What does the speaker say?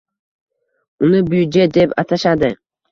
Uni “byudjet” deb atashadi.